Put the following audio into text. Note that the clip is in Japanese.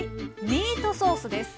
ミートソースです。